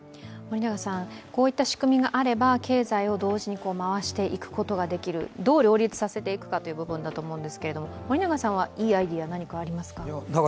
こういった仕組みがあれば経済を同時に回していくことができる、どう両立させていくかという部分だと思いますが森永さんはいいアイデアありますか？